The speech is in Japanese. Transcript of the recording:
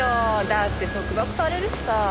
だって束縛されるしさ。